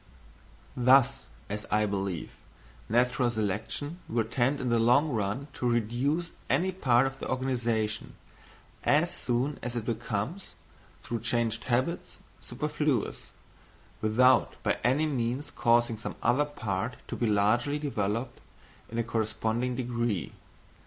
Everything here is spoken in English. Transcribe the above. Thus, as I believe, natural selection will tend in the long run to reduce any part of the organisation, as soon as it becomes, through changed habits, superfluous, without by any means causing some other part to be largely developed in a corresponding degree.